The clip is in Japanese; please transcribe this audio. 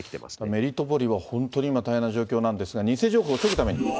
メリトポリは本当に今、大変な状況なんですが、偽情報を防ぐために？